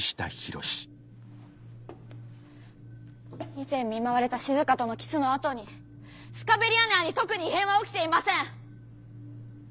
以前見舞われたしずかとのキスのあとにスカベリア内に特に異変は起きていません！